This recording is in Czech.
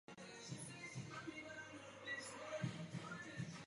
Hrdiny jsou buď zvířata nebo děti.